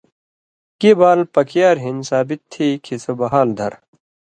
گی بال پَکیۡیار ہِن ثابت تھی کھیں سو بحال دھر۔